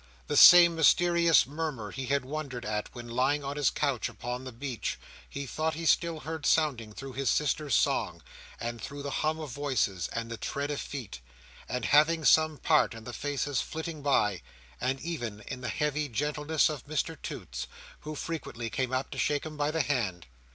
The same mysterious murmur he had wondered at, when lying on his couch upon the beach, he thought he still heard sounding through his sister's song, and through the hum of voices, and the tread of feet, and having some part in the faces flitting by, and even in the heavy gentleness of Mr Toots, who frequently came up to shake him by the hand.